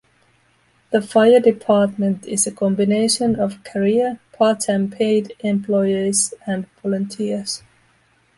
The fire department is a combination of career, part-time paid employees and volunteers.